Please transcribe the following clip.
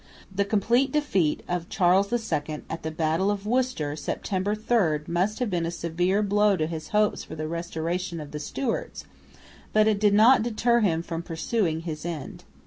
The complete defeat of Charles II at the battle of Worcester, September 3, must have been a severe blow to his hopes for the restoration of the Stuarts, but it did not deter him from pursuing his end.